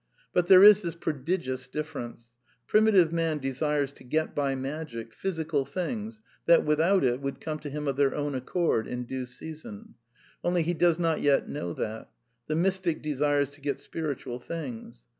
But there is this prodigious difference: primitive man desires to get by magic physical things that, without it, / would come to him of their own accord, in due season; / only he does not yet know that: the mystic desires to getf spiritual things.